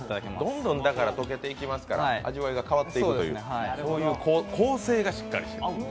どんどん溶けていきますから味わいが変わっていくという、そういう構成がしっかりしている。